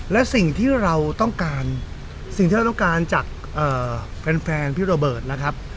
และสิ่งที่เราต้องการสิ่งที่เราต้องการจากแฟนพี่โรเบิร์ตนะครับ